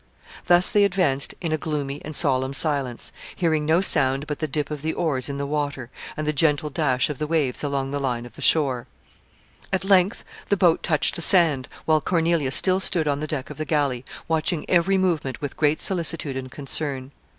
Thus they advanced in a gloomy and solemn silence, hearing no sound but the dip of the oars in the water, and the gentle dash of the waves along the line of the shore. [Sidenote: Assassination of Pompey.] At length the boat touched the sand, while Cornelia still stood on the deck of the galley, watching every movement with great solicitude and concern.